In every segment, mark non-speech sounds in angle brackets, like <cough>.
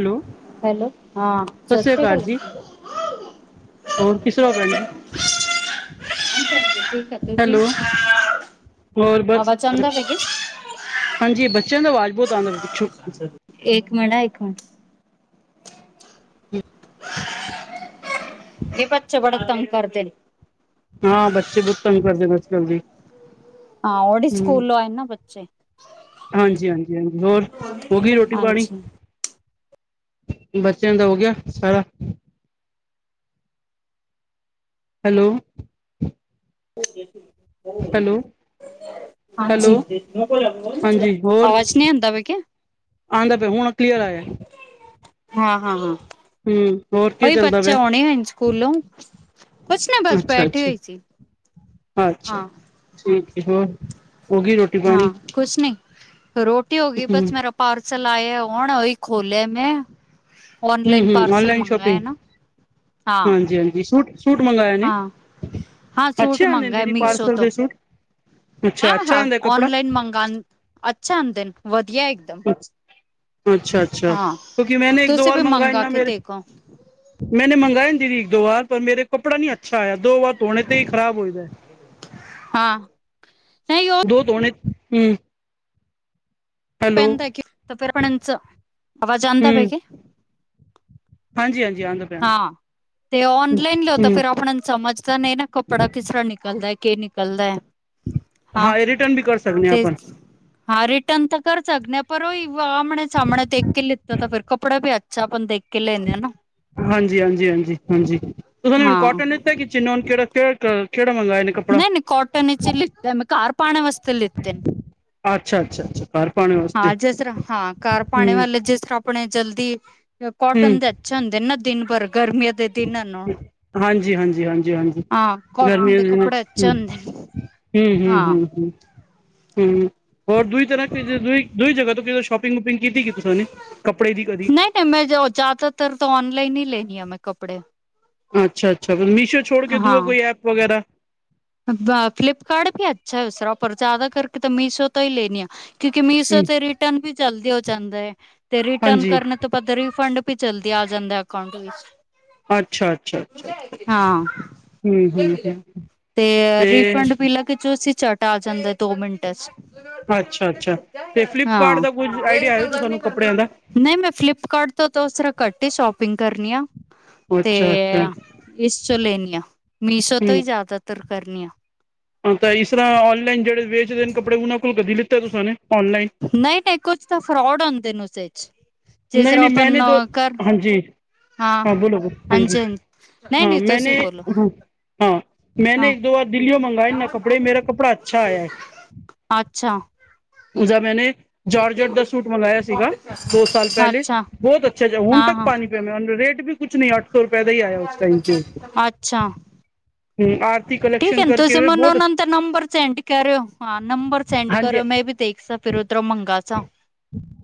Hello hello ਹਾਂ ਸਤਿ ਸ੍ਰੀ ਅਕਾਲ। ਹੋਰ ਕਿਸ ਰਾਂ ਹੋ ਭੈਣ ਜੀ। ਠੀਕ ਹੈ ਤੁਸੀਂ ਹੈਲੋ ਹੋਰ ਬਸ ਆਵਾਜ਼ ਆਉਂਦਾ ਪਿਆ ਕਿ ਹਾਂਜੀ ਬੱਚਿਆਂ ਦੀ ਆਵਾਜ਼ ਬੋਤ ਆਂਦਾ ਪਈ। ਏਕ ਮਿੰਟ ਏਕ ਮ ਏ ਬੱਚੇ ਬੜਾ ਤੰਗ ਕਰਦੇ ਨੇ। ਹਾਂ ਬੱਚੇ ਬੋਤ ਤੰਗ ਕਰਦੇ ਪਏ ਸੀ ਹਾਂਜੀ। ਹਾਂ ਉੜੀ ਸਕੂਲੋਂ ਆਏ ਨਾ ਬੱਚੇ ਹਾਂਜੀ-ਹਾਂਜੀ-ਹਾਂਜੀ ਹੋਰ ਹੋ ਗਈ ਰੋਟੀ ਪਾਣੀ ਹਾਂਜੀ ਬੱਚਿਆਂ ਦਾ ਹੋ ਗਿਆ ਸਾਰਾ ਹੈਲੋ ਹੋ ਜਾਸੀ ਓ ਹੋ ਹੈਲੋ ਜਾਸੀ ਹੈਲੋ ਹਾਂਜੀ ਹਾਂਜੀ ਆਵਾਜ਼ ਨਈ ਆਂਦਾ ਪਿਆ ਕਿਆ ਆਂਦਾ ਪਿਆ ਹੁਣ ਕਲੀਅਰ ਆਇਆ। ਹਾਂ-ਹਾਂ ਹਮ ਹੋਰ ਕੀ ਪਈ ਚੱਲਦਾ ਬੱਚਾ ਪਿਆ ਆਣੇ ਸਕੂਲੋਂ ਕੁਛ ਨੀ ਬਸ ਅੱਛਾ ਬੈਠੀ ਅੱਛਾ ਹੋਈ ਸੀ। ਅੱਛਾ ਹਾਂ ਠੀਕ ਐ ਹੋਰ ਹੋ ਗਈ ਰੋਟੀ ਪਾਣੀ ਹਾਂ ਕੁਛ ਨਈ ਰੋਟੀ ਹੋ ਗਈ ਹਮ ਬਸ ਮੇਰਾ ਪਾਰਸਲ ਆਏ ਹੁਣ ਉਹੀ ਖੋਲਿਆ ਮੈਂ ਔਨਲਾਈਨ ਹਮ ਹਮ ਪਾਰਸਲ ਮੰਗਾਏ ਹੈ ਨਾ ਹਾਂ। ਜੀ ਹਾਂਜੀ ਸੂਟ ਸੂਟ ਮੰਗਵਾਏ ਨੇ ਹਾਂ- ਹਾਂ ਸੂਟ ਅੱਛੇ ਆਉਂਦੇ ਮੰਗਾਏ ਦੀਦੀ ਮੀਸ਼ੋ ਪਾਰਸਲ ਤੋਂ ਦੇ ਸੂਟ ਆ ਅੱਛਾ ਅੱਛਾ ਹਾ ਆਉਂਦਾ ਕੱਪੜਾ ਓਨਲਾਈਨ ਮੰਗਾਨ ਅੱਛਾ ਆਂਦੇ ਨੇ ਵਧੀਆ ਇਕਦਮ। ਅੱਛਾ-ਅੱਛਾ ਕਿਉਂਕਿ ਮੈਂਨੇ ਇੱਕ ਦੋ ਤੁਸੀਂ ਵਾਰ ਵੀ ਮੰਗਾਏ ਮੰਗਾ ਨਾ ਕੇ ਮੇਰੇ ਦੇਖੋ ਮੈਨੇ ਮੰਗਾਏ ਨ ਦੀਦੀ ਇੱਕ ਦੋ ਵਾਰ ਪਰ ਮੇਰੇ ਕੱਪੜਾ ਨੀ ਅੱਛਾ ਆਇਆ ਦੋ ਵਾਰ ਧੋਣੇ ਤੇ ਈ ਖਰਾਬ ਹੋਈ ਦਾ ਏ ਹਾਂ ਨਹੀਂ ਉਹ ਦੋ ਧੋਣੇ ਹੂੰ <unintelligible> ਪੈਂਦਾ ਕੇ ਹਾਂਜੀ-ਹਾਂਜੀ ਆਂਦਾ ਹਾਂ ਤੇ ਔਨਲਾਈਨ ਲਓ ਤਾ ਹਮ ਫੇਰ ਆਪਣਾ ਨੂੰ ਸਮਝ ਤਾ ਨਈ ਨਾ। ਕੱਪੜਾ ਕਿਸ ਤਰ੍ਹਾਂ ਨਿਕਲਦਾ ਏ ਕੇ ਨਿਕਲਦਾ ਏ। ਹਾਂ ਇਹ ਰਿਟਰਨ ਵੀ ਕਰ ਸਕਦੇ ਹਾਂ ਤੇ ਆਪਾਂ ਹਾਂ ਰਿਟਰਨ ਤਾਂ ਕਰ ਸਕਨੇ ਆ ਪਰ ਓਈ ਆਮਣੇ ਸਾਮਣੇ ਦੇਖ ਕੇ ਲਿੱਤਾ ਤਾਂ ਫਿਰ ਕੱਪੜਾ ਵੀ ਅੱਛਾ ਅਪਣ ਦੇਖ ਕੇ ਲੇਨੇ ਹਨਾ। ਹਾਂਜੀ-ਹਾਂਜੀ-ਹਾਂਜੀ-ਹਾਂਜੀ ਤੁਹਾਂ ਹੁਣ ਹਾਂ ਕੋਟਨ ਲਿਤਾ ਕਿ ਚੀਨੋਨ ਕੇੜਾ -ਕੇੜ ਕਲਰ ਕੇੜਾ ਮੰਗਇਆ। ਨਈ -ਨਈ ਕੌਟਨ ਇਚ ਲਿੱਤੇ ਮੈਂ ਘਰ ਪਾਣ ਵਸਤੇ ਲਿੱਤੇ। ਅੱਛਾ-ਅੱਛਾ-ਅੱਛਾ ਹਾਂ ਜੇਸ ਤਰ੍ਹਾਂ ਹਾਂ ਘਰ ਪਾਣੇ ਹਮ ਵਾਲੇ ਜੇਸ ਤਰ੍ਹਾਂ ਆਪਣੇ ਜਲਦੀ ਕੋਟਨ ਹਮ ਦੇ ਅੱਛੇ ਹੁੰਦੇ ਨਾ ਦਿਨ ਭਰ ਗਰਮੀਆਂ ਦੇ ਦਿਨਾਂ ਨੂੰ ਹਾਂਜੀ-ਹਾਂਜੀ-ਹਾਂ ਜੀ-ਹਾਂਜੀ ਕੋਟਨ ਗਰਮੀਆਂ ਦੇ ਦਿਨਾਂ ਕੱਪੜੇ 'ਚ ਅੱਛੇ ਹੁੰਦੇ ਨੇ ਹਾਂ ਉਂ-ਹੂੰ-ਹੂੰ-ਹੂੰ-ਹੁੰ ਹੂੰ ਹੋਰ ਦੂਈ ਤਰ੍ਹਾਂ ਦ ਦੂਈ ਜਗ੍ਹਾ ਤੋਂ ਕਿਦੇ ਸ਼ੋ ਪਿੰਗਪਿੰਗ ਕੀਤੀ ਕਿ ਤੁਸਾਂ ਨੇ ਕੱਪੜੇ ਦੀ ਕਦੀ ਐ ਮੈਂ ਜੋ ਜਆਦਾਤਰ ਤੋ ਔਨਲਾਈਨ ਹੀ ਲੇਨੀ ਆ ਮੈਂ ਕੱਪੜੇ ਅੱਛਾ-ਅੱਛਾ ਫੇਰ ਮੀਸ਼ੋ ਛੋੜ ਕੇ ਦੂਆ ਕੋਈ ਐਪ ਵਗੈਰਾ ਦਾ ਫਲਿਪਕਾਰਟ ਵੀ ਅੱਛਾ ਉਸ ਰਾ ਪਰ ਜਆਦਾ ਕਰਕੇ ਤਾਂ ਮੀਸ਼ੋ ਤੋਂ ਹੀ ਲੇਨੀ ਆ। ਕਿਉਂਕਿ ਮੀਸੋ ਹੂੰ ਤੇ ਰਿਟਰਨ ਵੀ ਜਲਦੀ ਹੋ ਜਾਂਦਾ ਐ ਤੇ ਰਿਟਰਨ ਹਾਂਜੀ ਕਰਨੇ ਤੋ ਓਦਾ ਰੀਫੰਡ ਵੀ ਜਲਦੀ ਆ ਜਾਂਦਾ ਅਕਾਉਂਟ ਵਿੱਚ ਅੱਛਾ-ਅੱਛਾ-ਅੱਛਾ ਹਾਂ ਹੂੰ-ਹੂੰ-ਹੂੰ। ਤੇ ਰੀਫੰਡ ਬੀ ਅਲਗ ਜੋ ਝੱਟ ਆ ਜਾਂਦਾ ਏ ਦੋ ਮਿੰਟਾਂ 'ਚ <inaudible> ਅੱਛਾ -ਅੱਛਾ ਤੇ ਫਲਿੱਪਕਾਰਟ ਹਾਂ ਦਾ ਕੁਝ ਆਈਡੀਆ ਐ ਵੇ ਤੁਸਾ ਨੂੰ ਕੱਪੜਿਆਂ ਦਾ ਤੋ ਤੋ ਉਸ ਰਾਂ ਘੱਟ ਈ ਸ਼ੋਪਿੰਗ ਕਰਨੀ ਆ। ਤੇ ਅੱਛਾ ਅੱਛਾ ਇਸ ਚੋ ਲੇਨੀ ਆ ਮੀਸ਼ੋ ਤੋ ਈ ਜਆਦਾਤਰ ਕਰਨੀ ਆ। ਤਾ ਇਸ ਰ੍ਹਾਂ ਔਨਲਾਈਨ ਜੇੜੇ ਵੇਚਦੇ ਨੇ ਕੱਪੜੇ ਉਨਾਂ ਕੋਲ ਕਦੀ ਲਿੱਤਾ ਤੁਸਾਂ ਨੇ ਔਨਲਾਈਨ? ਨਈ -ਨਈ ਕੁਛ ਤਾਂ ਫਰੋਡ ਹੁੰਦੇ ਨੇ ਉਸੇ 'ਚ। ਜਿਸ ਨਈ ਤਰ੍ਹਾਂ -ਨਈ ਮੈ ਨੀ ਆਪਨ ਦੋ ਕਰ ਹਾਂਜੀ। ਹਾਂ ਬੋਲੋ- ਬੋਲੋ ਹਾਂਜੀ ਨਹੀਂ ਹਾਂ ਨਹੀਂ ਤੁਸੀਂ ਮੈਂਨੇ ਬੋਲੋ ਹਾਂ ਮੈਨੇ ਹਾਂ। ਇੱਕ ਦੋ ਵਾਰ ਦਿੱਲੀਓ ਮੰਗਾਏ ਨਾ ਕੱਪੜੇ ਮੇਰਾ ਕੱਪੜਾ ਅੱਛਾ ਆਇਐ। ਅੱਛਾ ਉਜ਼ਾ ਮੈਨੇ ਜਾਰਜਟ ਦਾ ਸੂਟ ਮੰਗਾਇਆ ਸੀਗਾ ਦੋ ਸਾਲ ਅੱਛਾ ਬੌਤ ਅੱਛਾ ਜੇ ਹੁਣ ਹਾਂ ਤੱਕ ਹਾਂ ਪਾਨੀ ਪੀ ਮੈ ਰੇਟ ਵੀ ਕੁਛ ਨਈ ਅਠ ਅੱਛਾ ਹੂੰ ਆਰਤੀ ਕਲੇ ਠੀਕ ਐ ਤੁਸੀ ਮੈਨੂੰ ਉਨਾਂ ਦਾ ਨੰਬਰ ਸੈਂਡ ਕਰਿਓ ਹਾਂ ਨੰਬਰ ਸੈਂਡ ਹਾਂਜੀ ਕਰੋ ਮੈਂ ਵੀ ਦੇਖ ਸਾਂ ਫੇਰ ਉਧਰੋਂ ਮੰਗਾਸਾਂ।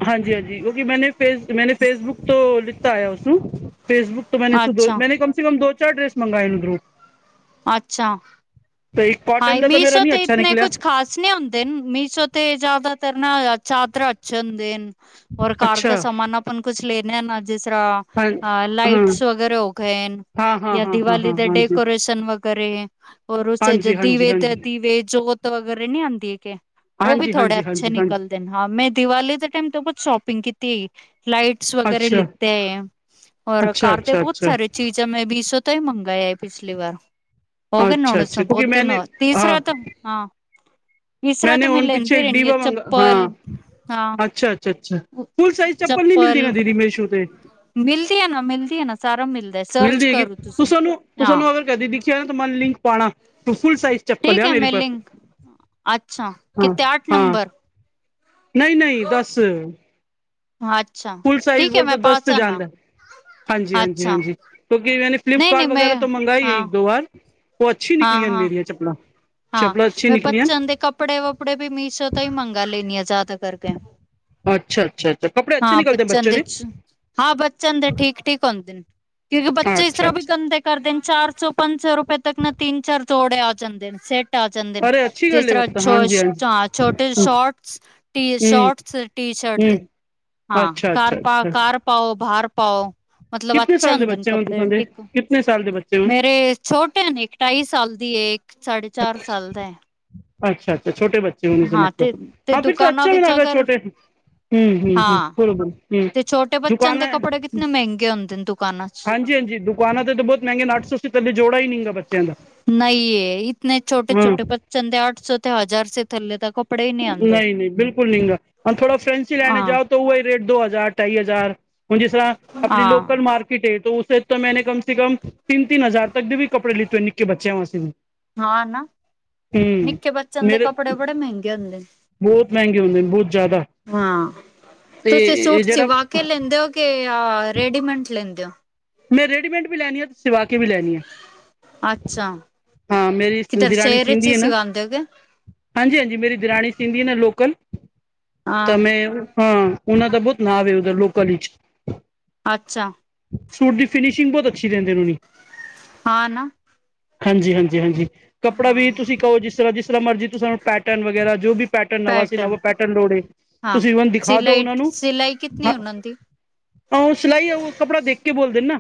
ਹਾਂਜੀ-ਹਾਂਜੀ ਕਿਉਂਕਿ ਮੈਨੇ ਫੇਸ ਮੈਨੇ ਫੇਸਬੁੱਕ ਤੋਂ ਲਿੱਤਾ ਹੋਇਆ ਓਸਨੂੰ ਫੇਸਬੁੱਕ ਤੋ ਮੈਂਨੋ ਸ ਦੋ, ਅੱਛਾ ਮੈਂਨੇ ਕੰਮ ਸੇ ਕੰਮ ਦੋ-ਚਾਰ ਡਰੇੈਸ ਮੰਗਾਏਨ ਉਧਰੋ। ਅਛਾ, ਤੇ ਇੱਕ ਹਾਂ ਦਾ ਤਾਂ ਮੇਰਾ ਮਿਸ਼ੋ ਨੀ ਤੇ ਅੱਛਾ ਇਤਨੇ ਨਿਕਲਿਆ ਕੁਛ ਖਾਸ ਸ ਹੁੰਦੇਨ, ਮੀਸ਼ੋ ਤੇ ਜਿਆਦਾਤਰ ਨਾ ਚਾਦਰਾ ਅੱਛੇ ਹੁੰਦੇਨ। ਔਰ ਕਾਰ ਅੱਛਾ ਦਾ ਸਮਾਨ ਆਪਾਨ ਕੁਛ ਲੇਨਾ ਨਾ, ਜਿਸ ਰ੍ਹਾ ਹਾਂ ਹਾ ਹਾਂ ਲਾਈਟਸ ਵਗੈਰੇ ਹੋ ਗਏਨ, ਹਾਂ ਹਾਂ ਯਾ ਹਾਂ ਹਾਂ ਹਾਂ ਦਿਵਾਲੀ ਦੇ ਹਾਂਜੀ ਡੇਕੋਰੇਸ਼ਨ ਵਗੇਰੇ। ਔਰ ਉਸੇ'ਚ ਹਾਂਜੀ ਹਾਂਜੀ ਦੀਵੇ ਤੇ ਹਾਂਜੀ ਦੀਵੇ ਜੋਤ ਵਗੈਰਾ ਨੀ ਆੰਦੀ ਏ, ਕਿ ਓਹ ਵੀ ਹਾਂਜੀ ਥੋੜੇ ਹਾਂਜੀ ਅਛੇ ਹਾਂਜੀ ਹਾਂਜੀ ਨਿਕਲਦੇ ਨ, ਹਾਂ ਮੈ ਦੀਵਾਲੀ ਦੇ ਟੈਮ ਤੇ ਕੁਛ ਸ਼ੋਪਿੰਗ ਕੀਤੀ ਹਾਈ, ਲਾਈਟ ਟਸ ਵਗੈਰੇ ਅੱਛਾ ਲਿਤੇ ਐ, ਔਰ ਅੱਛਾ ਕਾਰ ਤੇ ਅੱਛਾ ਬਹੁਤ ਅੱਛਾ ਸਾਰੇ ਚੀਜਾ ਮੈ ਵੀਸ਼ੋ ਤੋ ਈ ਮੰਗਾਏ ਆਈ ਪਿਛਲੀ ਵਾਰ। ਹੋਗੇਨ ਨਾ ਅੱਛਾ ਹੁਣ ਅੱਛਾ ਉਸਨੂੰ ਕਿਉਂਕਿ ਬਹੁਤ ਦਿਨ, ਮੈਂਨੇ ਹਾਂ ਤੀਸਰਾ ਤਾ, ਹਾਂ- ਮੈਂਨੇ ਹੁਨ ਪਿੱਛੇ ਇਕ ਡੀਵਾ ਮੰਗਾ, ਹਾਂ, ਹਾਂ ਅੱਛਾ-ਅੱਛਾ-ਅਛਾ। ਉਹ ਫੁਲ ਸਾਈਜ ਚੱਪਲ ਨਹੀ ਮਿਲਦੀ ਨਾ ਦੀਦੀ, ਮੀਸ਼ੂ ਤੇ। ਮਿਲਦੀ ਏ ਨਾ, ਮਿਲਦੀ ਏ ਨਾ, ਸਾਰਾ ਮਿਲਦੈ। ਮਿਲਦੀ ਹੈਗੀ, ਤੁੂਸਾਨੂੰ, ਤੂਸਾਨੂੰ ਅਗਰ ਕਦੇ ਦਿਖਿਆ ਨਾ ਤਾਂ ਮੰਨ ਲਿੰਕ ਪਾਣਾ, ਤੂੰ ਫੁਲ ਸਾਈਜ ਚੱਪਲ ਏ, ਆ ਮੇਰੀ ਪਰ। ਅਛਾ, ਕਿੱਤੇ ਆਠ ਨੰਬਰ? ਨਹੀ-ਨਹੀ, ਦੱਸ ਅੱਛਾ ਫੁਲ ਸਾਈਜ ਠੀਕ ਹੈ ਬੋਲੇ ਮੈਂ ਤ ਦਸ ਪਾਸ ਤੇ ਆਨਾ ਜਾਂਦਾ। ਅੱਛਾ ਹਾਂਜੀ-ਹਾਂਜੀ-ਹਾਂਜੀ, ਕਿਉਕਿ ਇੰਨਾ ਨੇ ਨਹੀਂ ਨਹੀਂ ਫਲਿਪਕਾਰਟ ਮੈਂ ਵਗੈਰਾ ਤੋਂ ਮੰਗਾਈ ਆਈ, ਹਾਂ ਇਕ-ਦੋ ਵਾਰ। ਉਹ ਅਛੀ ਹਾਂ ਨਿਕਲੀਆਂ ਨ ਹਾਂ ਮੇਰੀਆਂ ਚੱਪਲਾ। ਹਾਂ, ਮੈ ਬੱਚਿਆ ਨ ਦੇ ਕੱਪੜੇ-ਵੱਪੜੇ ਵੀ ਮੀਸ਼ੋ ਤੋ ਹੀ ਮੰਗਾ ਲੈਂਨੀ ਆ, ਜਿਆਦਾ ਕਰਕੇ, ਹਾਂ ਬੱਚਿਆਂ ਦੇ'ਚ। ਹਾਂ ਬੱਚਿਆਂ ਦੇ ਠੀਕ-ਠੀਕ ਹੁੰਦੇਨ, ਕਿਉਕਿ ਬੱਚੇ ਇਸ ਤਰ੍ਹਾਂ ਵੀ ਗੰਦੇ ਕਰਦੇਨ, ਚਾਰ ਸੋ ਪੰਜ ਸੋ ਸੋ ਰੁਪਏ ਤੱਕ ਨਾ ਤਿੰਨ-ਚਾਰ ਜੋੜੇ ਆ ਜਾਂਦੇ ਨ, ਸੇਟ ਆ ਜਾਂਦੇਨ, ਜਿਸ ਤਰ੍ਹਾਂ ਛੋਟੇ shorts, T shorts T shirt ਤੇ, ਹਾਂ, ਘਰ ਪਾ, ਘਰ ਪਾਓ, ਬਾਹਰ ਪਾਓ। ਮਤਲਬ ਅੱਛੇ ਦੇ ਹੁੰਦੇਨ ਬੱਚੇ ਹੁਣ ਤੁਸਾਂ ਕੱਪੜੇ, ਦੇ? ਟਿਕ ਕਿਤਨੇ ਸਾਲ ਦੇ ਬੱਚੇ ਹੁਣ? ਮੇਰੇ ਛੋਟੇ ਨ ਇਕ ਢਾਈ ਸਾਲ ਦੀ ਏ, ਇਕ ਸਾਢੇ ਚਾਰ ਸਾਲ ਦਾ ਏ। ਅਛਾ-ਅਛਾ ਛੋਟੇ ਬੱਚੇ ਇਸਦਾ ਤੇ ਮਤਲਬ, ਤੇ ਹਾਂ ਫਿਰ ਤਾਂ ਦੁਕਾਨਾਂ ਅਛਾ ਵੀ ਵਿੱਚ ਲਗਾ ਅਗਰ ਛੋਟੇ ਹੂੰ, ਹੂੰ, ਹੂੰ ਹਾਂ ਬੋਲ-ਬੋਲ ਹੂੰ, ਤੇ ਛੋਟੇ ਬੱਚਿਆਂ ਦੁਕਾਨ ਦੇ ਕੱਪੜੇ ਕਿਤਨੇ ਮਹਿੰਗੇ ਹੁੰਦੇ ਨੇ ਦੁਕਾਨਾਂ ਚ ਹਾਂਜੀ-ਹਾਂਜੀ, ਦੁਕਾਨਾ ਤੇ ਤਾਂ ਬਹੁਤ ਮਹਿੰਗੇ ਨ, ਅੱਠ ਸੌ ਸੇ ਥੱਲੇ ਜੋੜਾ ਈ ਨਹੀਂਗਾ ਬੱਚਿਆਂ ਦਾ। ਨਹੀ ਏ। ਇਤਨੇ ਛੋਟੇ-ਛੋਟੇ ਬੱਚੇਆਂ ਨ ਦੇ ਅੱਠ ਸੋ ਤੇੇ ਹਜ਼ਾਰ ਥੱਲੇ ਤਕ ਨਹੀ-ਨਹੀ, ਬਿਲਕੁਲ ਨਹੀ ਗਾ, ਹੁਨ ਥੋੜਾ ਫੈਂਸੀ ਲੈਣੇ ਹਾਂ ਜਾਓ ਤਾਂ ਉਹਹੀ ਰੇਟ ਦੋ-ਹਜ਼ਾਰ, ਢਾਈ-ਹਜ਼ਾਰ। ਜਿਸ ਤਰ੍ਹਾਂ ਆਪਣੀ ਹਾਂ ਲੋਕਲ ਮਾਰਕੀਟ ਏ, ਤੋ ਉਸੇ'ਚ ਤਾ ਮੈਨੇ ਕਮ ਸੇ ਕਮ ਤਿੰਨ-ਤਿੰਨ ਹਜ਼ਾਰ ਕਦੇ ਵੀ ਕੱਪੜੇ ਲਿੱਤੇ ਹੋਏ, ਨਿਕੇ ਬੱਚਿਆਂ ਵਾਸਤੇ ਵੀ। ਹਾਂ, ਨਾ। ਨਿੱਕੇ ਬੱਚਿਆਂ ਦੇ ਕੱਪੜੇ ਬੜੇ ਮਹਿੰਗੇ ਹੁੰਦੇ। ਬਹੁਤ ਮਹਿੰਗੇ ਹੁੰਦੇਨ, ਬਹੁਤ ਜਿਆਦਾ। ਹਾਂ, ਤੁਸੀ ਸੂਟ ਸਿਵਾਕੇ ਲੇਂਦੇ ਓ, ਕਿ ਰੇਡੀਮੈਟ ਲੇਂਦੇ ਓ? ਮੈ ਰੇਡੀਮੇਟ ਵੀ ਲੈਨੀ ਆ ਸਿਵਾਕੇ ਬੀ ਲੈਨੀ ਆ, ਅੱਛਾ ਹਾਂ, ਮੇਰੀ ਕਿਧਰ ਦਿਰਾਣੀ ਸ਼ਹਿਰ ਚ ਸਿੰਦੀ ਹੀ ਏ ਨਾ ਸਿਵਾਂਦੇ ਹੋ ਕੇ ਹਾਂਜੀ-ਹਾਂਜੀ, ਮੇਰੀ ਦਿਰਾਣੀ ਸੀੰਦੀ ਏ ਨਾ ਲੋਕਲ, ਤਾ ਹਾਂ ਮੈ, ਹਾਂ ਉਨਾ ਦਾ ਬਹੋਤ ਨਾਵ ਏ, ਉਧਰ ਲੋਕਲ ਈਚ। ਅਛਾ। ਸੂਟ ਦੀ ਫਿਨਿਸ਼ਿੰਗ ਬਹੁਤ ਅਛੀ ਦੇਂਦੇਨ, ਉਨੀ। ਹਾਂ ਨਾ- ਹਾਂਜੀ- ਹਾਂਜੀ- ਹਾਂਜੀ ਕੱਪੜਾ ਵੀ ਹਾਂ ਤੁਸੀ ਕਹੋ ਜਿਸ ਤਰ੍ਹਾਂ ਜਿਸ ਤਰ੍ਹਾਂ ਮਰਜੀ ਤੁ ਸਾਨੂੰ ਪੈਟਰਨ ਵਗੈਰਾ- ਜੋ ਵੀ ਪੈਟਰਨ ਨਵਾ ਸੀ ਨਵਾਂ ਪੈਟਰਨ ਲੋੜੇ ਹਾਂ ਤੁਸੀ ਈਵਨ ਦਿਖਾ ਦੋ ਉਹਨਾਂ ਨੂੰ ਹ- ਆਹ ਸਿਲਈ ਉਹ ਕੱਪੜਾ ਦੇਖ ਕੇ- ਬੋਲਦੇ ਨਾ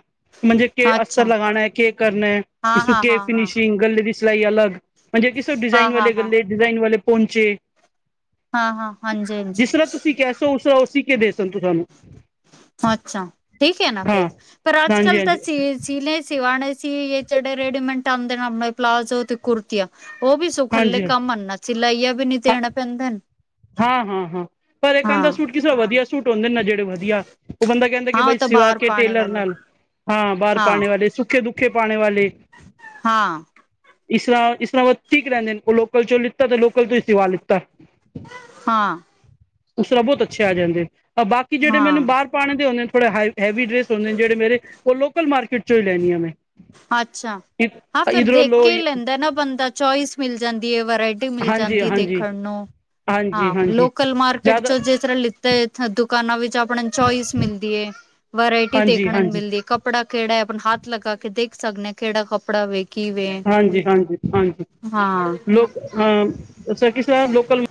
ਹਾਂਜੀ ਕੇ ਅਕਸਰ ਲਗਾਣਾ, ਕੇ ਕਰਨਾ ਤੁਸੀ ਕੇ ਫਿਨਸ਼ਿੰਗ- ਗਲੇ ਦੀ ਸਿਲਾਈ ਅਲਗ ਜੇ ਕਿਸੇ ਡਿਜ਼ਾਈਨ ਵਾਲੇ ਗਲੇ ਡਿਜ਼ਾਈਨ ਵਾਲੇ ਪੋਂਚੇ- ਜਿਸ ਤਰ੍ਹਾਂ ਤੁਸੀਂ ਕੈਸੇਉਸ ਓ ਸੀਕੇ ਦੇ ਸਕਦੇ ਤੂੰਆਨੁ। ਅੱਛਾ। ਠੀਕ ਹੈ ਨਾ, ਫਿਰ ਪਰ ਹਾਂਜੀ ਅੱਜ-ਕੱਲ ਤਾਂ ਹਾਂਜੀ ਚੀਜ ਸੀਲੇ ਸੀਵਾਨੇ ਸੀ ਜਾ ਜੇੜੇ ਰੇਡੀਮੈਂਂਟ ਆਦੇ ਨੇ, ਲੰਮੇ ਪਲਾਜ਼ੋ ਤੇ ਕੁੁਰਤੀਆਂ। ਓ ਵੀ ਸੁਖੱਲੇ ਹਾਂਜੀ ਕੰਮ ਆ ਨਾ, ਸਿਲਾਈਆ ਵੀ ਨੀ ਦੇਣੇ ਪੈਂਦੇ ਨੇ। ਹਾਂ-ਹਾਂ, ਹਾਂ, ਪਰ ਏ ਕੇਂਦੇ ਸੂਟ ਕਿਸੇ ਵਧੀਆ ਸੂਟ ਆਉਂਦੇ ਨਾ ਜੇੜੇ ਵਧੀਆ ਤੇ ਬੰਦਾ ਕੇਂਦਾ ਕਿ ਬਈ ਸਿਵਾ ਕੇ ਟੇਲਰ ਨਾਲ ਹਾਂ, ਬਾਹਰ ਪਾਣੇ ਵਾਲੇ ਸੂ ਤੇ ਦੁੱਖੇ ਪਾਣੇ ਵਾਲੇ। ਹਾਂ‌। ਇਸਰ੍ਹਾਂ, ਇਸ ਤਰ੍ਹਾਂ ਠੀਕ ਰੇਂਦੇ ਨੇ ਉਹ ਲੋਕਲ ਚੋਂ ਲਿੱਤਾ ਤੇ ਲੋਕਲ ਤੋਂ ਈ ਸਿਵਾ ਲੈਣ। ਹਾਂ। ਉਸ ਤਰਾ ਬੋਤ ਅੱਛੇ ਆ ਜਾਂਣਗੇ, ਆ ਬਾਕੀ ਜੇੜੇ ਮੈਨੂੰ ਹਾਂ ਬਾਰ ਪਾਣੇ ਤੇ ਹੁੰਦੇ ਨੇ, ਥੋੜੇ ਹੈਵੀ ਡਰੈਸ ਹੁੰਦੇ ਨੇ, ਜੇੜੇ ਮੇਰੇ ਉਹ ਲੋਕਲ ਮਾਰਕੀਟ ਚੋਂ ਈ ਲੈਨੀ ਆ ਮੈਂ। ਅੱਛਾ। ਹਾਂ, ਫੇਰ ਇੱਧਰੋਂ ਦੇਖ ਲੋ ਕੇ ਈ ਲੈਂਦਾ ਨਾ ਬੰਦਾ। ਚੋਇਸ ਮਿਲ ਜਾਂਦੀ ਐ, ਵਰਾਇਟੀ ਮਿਲ ਹਾਂਜੀ ਜਾਂਦੀ ਐ, ਹਾਂਜੀ ਦੇਖਣ ਨੂੰ। ਹਾਂਜੀ ਹਾਂ, ਹਾਂਜੀ ਲੋਕਲ ਮਾਰਕਟ ਜ਼ਿਆਦਾ ਚੋ ਜੇ ਤਰ ਲ ਤੇ ਦੁਕਾਨਾਂ ਵਿਚ ਆਪਾ ਨੂੰ ਚੋਇਸ ਮਿਲਦੀ ਏ, ਵਰਾਇਟੀ ਹਾਂਜੀ ਦੇਖਣ ਨੂੰ ਹਾਂਜੀ ਮਿਲਦੀ ਕੱਪ ਕੱਪੜਾ ਕੇੜਾ ਐ? ਆਪਣਾ ਹੱਥ ਲਗਾ ਕੇ ਦੇਖ ਸਕਣੇ‌ ਆ, ਕੇੜਾ ਕੱਪੜਾ ਵੇ। ਕੀ ਵੇ ਹਾਂਜੀ-ਹਾਂਜੀ- ਹਾਂਜੀ, ਹਾਂ ਲੋਕ ਹਾਂ ਕਿਸੇ ਦਾ ਲੋਕਲ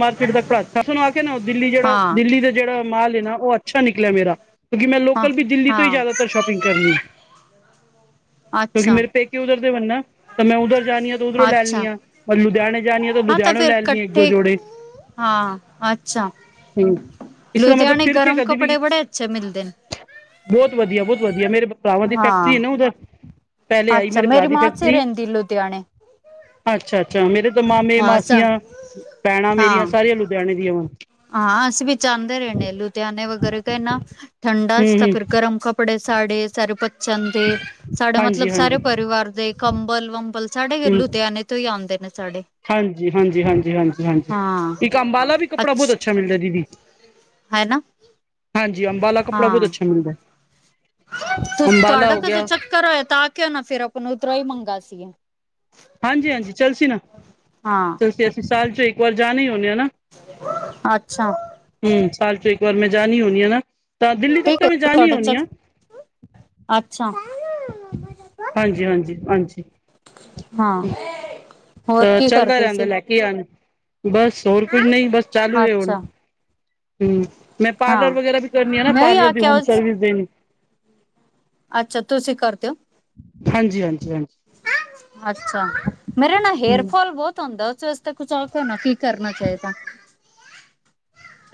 ਮਾਰਕੀਟ ਦਾ ਘੱਟ ਫੈਸ਼ਨ ਆ ਕੇ ਨਾ ਦਿੱਲੀ ਜੇੜਾ, ਹਾਂ ਦਿੱਲੀ ਦਾ ਜੇੜਾ ਮਾਲ ਹੈ ਨਾ, ਓ ਅੱਛਾ ਨਿਕਲਿਆ ਮੇਰਾ। ਕਿਉਂਕਿ ਮੈਂ ਹਾਂ ਲੋਕਲ ਵੀ ਦਿੱਲੀ ਤੋਂ ਈ ਹਾਂ ਜ਼ਿਆਦਾਤਰ ਸ਼ੋਪਿੰਗ ਕਰਨੀ ਆ। ਕਿਉਂਕਿ ਅੱਛਾ ਮੇਰੇ ਪੇਕੇ ਉਧਰ ਦੇ ਵਣਨਾ। ਤਾਂ ਮੈਂ ਉੱਧਰ ਜਾਣੀ ਆ, ਤਾਂ ਉੱਧਰੋਂ ਅੱਛਾ ਲੈਣੀ ਆ, ਪਰ ਲੁਧਿਆਣੇ ਜਾਣੀ ਆ, ਤਾਂ ਹਾਂ ਲੁਧਿਆਣੇ ਫਿਰ ਲੈਣੀ ਆ, ਇੱਕ- ਦੋ ਕੱਠੇ ਜੋੜੇ। ਹਾਂ। ਅੱਛਾ, ਹਮ ਇਸ ਤਰ੍ਹਾਂ ਲੁਧਿਆਣੇ ਗਰਮ ਕੱਪੜੇ ਬੜੇ ਅੱਛੇ ਮਿਲਦੇ ਨੇ। ਬੋਤ ਵਧੀਆ, ਬਹੁਤ ਵਧੀਆ। ਮੇਰੇ ਭਰਾਵਾਂ ਦੀ ਫੈਕਟਰੀ ਹੈ ਹਾਂ ਨਾ, ਉਧਰ। ਪੇਲੇ ਆਈ ਅੱਛਾ ਮੇਰੇ ਭਰਾ ਮੇਰੀ ਦੀ ਮਾਂ ਉੱਥੇ ਫੈਕਟਰੀ ਰਹਿੰਦੀ ਲੁਧਿਆਣੇ ਅੱਛਾ-ਅੱਛ, ਮੇਰੇ ਦੋ ਮਾਮੇ, ਹਾਂ ਅੱਛਾ ਮਾਸੀਆਂ, ਭੈਣਾਂ ਮੇਰੀਆਂ ਸਾਰੀਆਂ ਲੁਧਿਆਣੇ ਦੀਆਂ ਵਾ। ਹਾਂ, ਅਸੀਂ ਵੀ ਜਾਂਦੇ ਰੇਣੇ, ਲੁਧਿਆਣੇ ਵਗੈਰਾ ਤੇ ਏਨਾ ਠੰਡਾ ਅਸੀ ਹਮ ਤਾਂ ਹਮ ਫਿਰ ਗਰਮ ਕੱਪੜੇ ਸਾਡੇ ਸਾਰੇ ਪ ਜਾਂਦੇ, ਸਾਡੇ ਮਤਲਬ ਹਾਂਜੀ ਸਾਰੇ ਹਾਂਜੀ ਪਰਿਵਾਰ ਦੇ ਕੰਬਲ-ਵੰਬਲ, ਸਾਡੇ ਲੁਧਿਆਣੇ ਤੋ ਈ ਆਂਦੇ ਨੇ ਸਾਡੇ। ਹਾਂਜੀ-ਹਾਂਜੀ, ਹਾਂਜੀ- ਹਾਂਜੀ, ਹਾਂਜੀ। ਇੱਕ ਅੰਬਲਾ ਵੀ ਕੱਪੜਾ ਅੱਛ ਬੋਤ ਅੱਛਾ ਮਿਲਦਾ ਦੀਦੀ। ਹੈ ਨਾ ਹਾਂਜੀ। ਅੰਬਾਂਲਾ ਕੱਪੜਾ ਬੋਤ ਅੱਛਾ ਮਿਲਦਾ। ਅੰਬਾਲਾ ਤੁ-ਤੁਆਡਾ ਹੋ ਕਦੋ ਗਿਆ ਚੱਕਰ ਹੋਏ, ‌ ਤਾਂ ਕਿਉਂ ਨਾ ਫਿਰ ਆਪਾਂ ਨੂੰ ਉਧਰੋ ਹੀ ਮੰਗਾ ਸੀਯੇ? ਹਾਂਜੀ-ਹਾਂਜੀ। ਚਲ ਸੀ ਨਾ, ਹਾਂ ਚਲਸੀ ਅਸੀਂ ਸਾਲ ਚੋਂ ਇੱਕ ਵਾਰ ਜਾਣੇ ਹੀ ਹੁੰਦੇ ਹਾਂ ਨਾ। ਅੱਛਾ। ਹੁ ਸਾਲ ਚ, ਇੱਕ ਵਾਰ ਮੈਂ ਜਾਣੀ ਹੁਣੀ ਹੈ ਨਾ, ਤਾਂ ਦਿੱਲੀ ਤੱਕ ਠੀਕ ਤਾਂ ਹੈ ਮੈਂ ਜਾਣੀ ਤੁਹਾਡਾ ਹੁਣੀ ਚ ਆ। ਅੱਛਾ। ਹਾਂਜੀ-ਹਾਂਜੀ, ਹਾਂਜੀ। ਹਾਂ। ਹੋਰ ਤਾਂ ਕੀ ਚੱਲਦਾ ਕਰਦੇ ਰਹਿੰਦਾ ਸੀ ਲੈ ਕੇ ਆਣ। ਬਸ ਹੋਰ ਕੁਝ ਨਈ, ਬਸ ਚਾਲੂ ਐ, ਹੁਣ। ਅੱਛਾ ਹਮ। ਮੈਂ ਹਾਂ ਪਾਰਲਰ ਵਗੈਰਾ ਵੀ ਕਰਨੀ ਆ ਨਾ, ਮੈਂ ਵੀ ਪਾਰਲਰ ਦੀ ਕੇ ਹੋਮ ਆਵਾਜ਼ ਸਰਵਿਸ ਦੇਣੀ। ਅੱਛਾ। ਤੁਸੀਂ ਕਰਦੇਓ, ਹਾਂਜੀ ਹਾਂਜੀ ਹਾਂਜੀ ਅੱਛਾ। ਮੇਰੇ ਨਾ ਹਮ ਹੇਅਰਫੋਲ ਬਹੁਤ ਹੁੰਦਾ। <unintelligible> ਕੀ ਕਰਨਾ ਚਾਹੀਦਾ?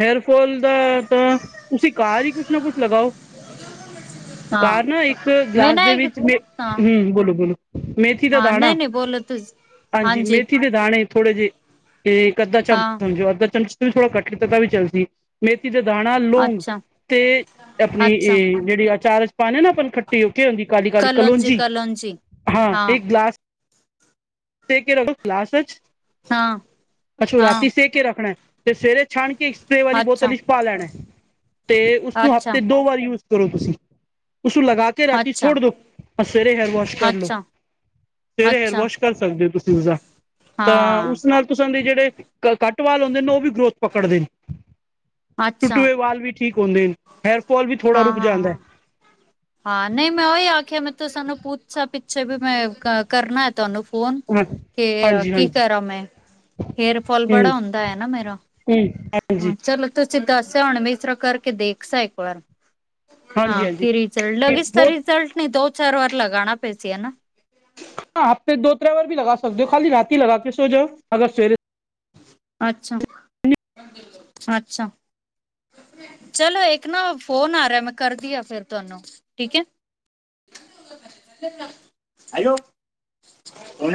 ਹੇਅਰਫੋਲ ਦਾ ਤਾਂ ਤੁਸੀਂ ਘਰ ਈ ਕੁੱਛ ਨਾ ਕੁੱਛ ਲਗਾਓ। ਹਾਂ ਘਰ ਨਾ ਇੱਕ ਮੈਂ ਗਲਾਸ ਨਾ ਦੇ ਇੱਕ ਵਿੱਚ ਮੇ, ਹਾਂ ਹਮ। ਬੋਲੋ-ਬੋਲੋ ਮੇਥੀ ਦਾ ਹਾਂ ਦਾਣਾ। ਨਹੀਂ ਨਹੀਂ ਬੋਲੋ ਤੁਸ ਹਾਂਜੀ, ਮੇਥੀ ਦੇ ਦਾਣੇ ਥੋੜੇ ਜੇ। ਇੱਕ-ਅੱਧਾ ਚਮਚ ਹਾਂ ਸਮਝੋ, ਅੱਧਾ ਚਮਚ ਵੀ ਥੋੜਾ ਘੱਟ ਕੀਤਾ ਤਾਂ ਵੀ ਚੱਲ ਮੇਥੀ ਦੇ ਦਾਣਾ, ਲੌਗ ਅੱਛਾ ਤੇ ਆਪਣੀ ਅੱਛਾ ਇਹ ਜੇੜੀ ਅਚਾਰ ਚ ਪਾਉਣੇ ਨਾ ਆਪ ਖੱਟੀ ਹੋ ਕੇ ਹੁੰਦੀ, ਕਾਲੀ-ਕਾਲੀ ਕਲੋਂਜੀ ਹਾਂ, ਇੱਕ ਗਲਾਸ <unintelligible> ਗਿਲਾਸ ਵਿਚ ਹਾਂ ਅੱਛਾ, ਹਾਂ ਰਾਤੀ ਸੇ ਕੇ ਰੱਖਣਾ ਐ। ਸਵੇਰੇ ਛਾਣ ਕੇ ਸਪ੍ਰਰੇ ਵਾਲੀ ਬੋਤਲ ਅੱਛਾ ਵਿੱਚ ਪਾ ਲੈਣਾ ਐ ਤੇ ਉਸਨੂੰ ਅੱਛਾ ਹਫ਼ਤੇ ਦੋ ਵਾਰ ਯੂਜ ਕਰੋ ਤੁਸੀਂ। ਉਸਨੂੰ ਲਗਾ ਰਾਤੀ ਅੱਛਾ ਛੋੜ ਦੋ, ਪਰ ਸਵੇਰੇ ਹੇਅਰ ਵੋਸ਼ ਕਰ ਲੋ, ਅੱਛਾ ਸਵੇਰੇ ਹਅਰ ਅੱਛਾ ਵੋਸ਼ ਕਰ ਕਰ ਸਕਦੇ ਓ ਤੁਸੀਂ ਉਸਦਾ ਤਾਂ ਹਾਂ ਉਸ ਨਾਲ ਤੁਸਾਂ ਦੇ ਜਿਹੜੇ ਕੱਟ ਵਾਲ ਹੁੰਦੇ ਨੇ, ਉਹ ਵੀ ਗਰੋਥ ਪਕੜਦੇ ਨੇ‌। ਅੱਛਾ ਟੁੱਟੇ ਹੋਏ ਵਾਲ ਵੀ ਠੀਕ ਹੁੰਦੇ ਨੇ। ਹੇਅਰਫੋਲ ਵੀ ਥੋੜ੍ਹਾ ਹਾਂ ਰੁਕ ਹਾਂ ਜਾਂਦੈ। ਹਾਂ ਹਾਂ, ਨਈ ਮੈਂ ਓਹੀ ਆਖਿਆ ਮੈਂ ਤੁਸਾਂ ਨੂੰ ਪੁੱਛਾ, ਪਿੱਛੇ ਵੀ ਮੈਂ ਕਰ ਕਰਨਾ ਐ ਤੁਹਾਨੂੰ ਫੋਨ। ਹੈ ਕੇ ਹਾਂਜੀ ਕੀ ਹਾਂਜੀ ਕਰਾਂ? ਮੈਂ ਹੇਅਰ ਫਾਲ ਬੜਾ ਹੁੰਦਾ ਐ ਨਾ ਮੇਰਾ। ਹੈਜੀ ਹਾਂ ਚਲੋ ਤੁਸੀਂ ਦੱਸਿਆ ਹੁਣ ਵੀ ਇਸ ਤਰ੍ਹਾਂ ਕਰਕੇ ਦੇਖ ਸਾ ਇੱਕ ਵਾਰ, ਹਾਂਜੀ ਹਾਂ ਹਾਂਜੀ ਫਿਰ <unintelligible> ਬਹੁਤ ਰਿਜ਼ਲਟ ਨਹੀਂ ਦੋ-ਚਾਰ ਵਾਰ ਲਗਾਣਾ ਪਈ ਸੀ ਹਨਾਂ। ਹਾਂ ਹਫ਼ਤੇ ਦੋ-ਤਿੰਨ ਵਾਰ ਵੀ ਲਗਾ ਸਕਦੇ ਓ, ਖਾਲੀ ਰਾਤੀ ਲਗਾ ਕੇ ਸੋ ਜਾਓ, ਅਗਰ ਸਵੇਰੇ ਅੱਛਾ-ਅੱਛਾ। ਚਲੋ ਇੱਕ ਨਾ ਫੋਨ ਆ ਰਿਆ, ਮੈਂ ਕਰਦੀ ਆ ਫੇਰ ਤੁਹਾਨੂੰ, ਠੀਕ ਐ। ਹੈਲੋ, ਕੌਣ